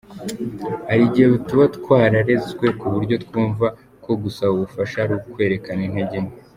Hari igihe tuba twararezwe kuburyo twumva ko gusaba ubufasha ari ukwerekana intege nke .